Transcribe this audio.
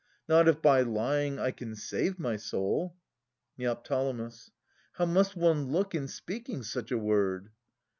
Not if by lying I can save my soul. Neo. How must one look in speaking such a word?